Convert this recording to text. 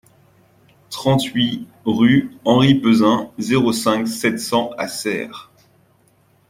trente-huit rue Henri Peuzin, zéro cinq, sept cents à Serres